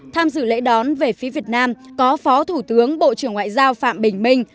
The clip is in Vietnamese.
tham dự lễ đón về phía việt nam có phó thủ tướng bộ trưởng ngoại giao phạm bình minh